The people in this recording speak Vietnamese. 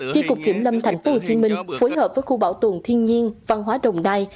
chiếc cục kiểm lâm tp hcm phối hợp với khu bảo tồn thiên nhiên văn hóa đồng đai